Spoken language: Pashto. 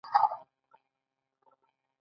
هغوی له کارګرانو په ورځ کې اتلس ساعته کار اخیست